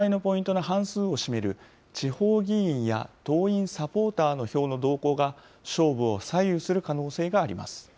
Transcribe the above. このため、全体のポイントの半数を占める地方議員や党員・サポーターの票の動向が勝負を左右する可能性があります。